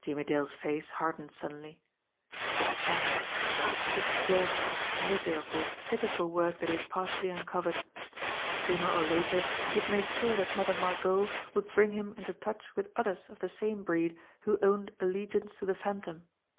Jimmie Dale's face hardened suddenly. His errand! It was dirty, miserable, pitiful work that he had partially un covered. Sooner or later, he had made sure that Mother Margot would bring him into touch with others of the same breed who owned allegiance to the Phantom.